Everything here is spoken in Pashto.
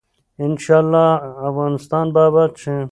ان شاء الله افغانستان به اباد شي.